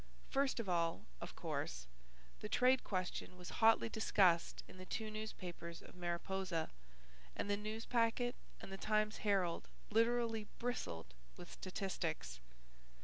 First of all, of course, the trade question was hotly discussed in the two newspapers of Mariposa, and the Newspacket and the Times Herald literally bristled with statistics.